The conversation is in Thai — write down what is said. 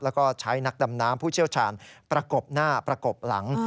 แล้วก็ใช้นักดำน้ำผู้เชี่ยวชาญประกบหน้าประกบหลัง